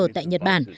tại nhật bản